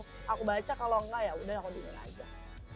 kalau misalnya ada baiknya aku baca kalau nggak yaudah aku dm aja